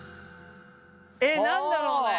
えっ何だろうね。